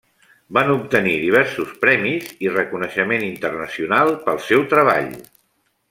Van obtenir diversos premis i reconeixement internacional pel seu treball.